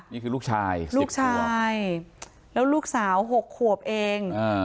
นี่คือลูกชายลูกชายแล้วลูกสาว๖ขวบเอง